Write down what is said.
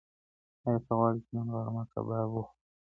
ایا ته غواړې چې نن غرمه کباب وخورې؟